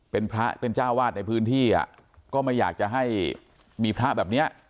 เป็นพระเป็นเจ้าวาดในพื้นที่อ่ะก็ไม่อยากจะให้มีพระแบบเนี้ย